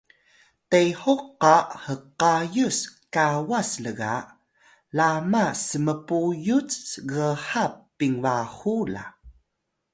tehuk qa xqayus kawas lga lama smpuyut ghap pinbahu la